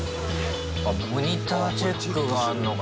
あモニターチェックがあんのか。